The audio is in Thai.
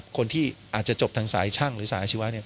คนที่อาจจะจบทางสายช่างหรือสายอาชีวะเนี่ย